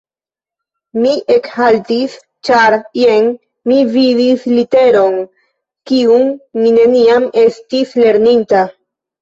Mi ekhaltis, ĉar jen mi vidis literon, kiun mi neniam estis lerninta.